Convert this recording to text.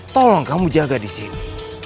tolong kamu jaga disini